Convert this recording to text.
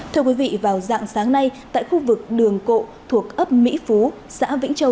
thưa quý vị vào dạng sáng nay tại khu vực đường cộ thuộc ấp mỹ phú xã vĩnh châu